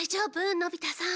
のび太さん。